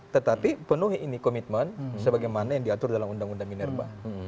tetapi penuhi ini komitmen sebagaimana yang diatur dalam undang undang minerba